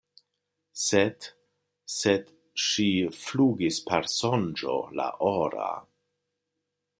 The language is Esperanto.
Sed, sed „ŝi flugis per sonĝo la ora!“